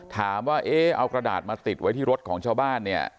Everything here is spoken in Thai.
ถามว่าเอ๊ะเอากระดาษมาติดไว้ที่รถของชาวบ้านเนี่ย